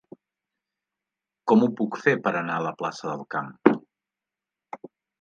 Com ho puc fer per anar a la plaça del Camp?